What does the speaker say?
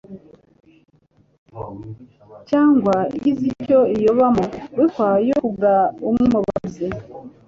cyangwa igize icyo iyobamo, ruswa yo kugura umwe mu bagize